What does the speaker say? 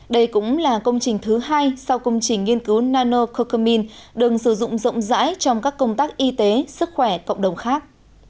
đây cũng là công trình thứ hai sau công trình nghiên cứu nanococumine được sử dụng rộng rãi trong các công tác y tế sức khỏe cộng đồng khác